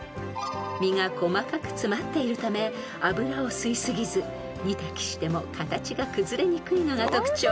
［実が細かく詰まっているため油を吸いすぎず煮炊きしても形が崩れにくいのが特徴］